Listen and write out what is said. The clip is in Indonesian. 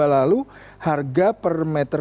lalu harga per meter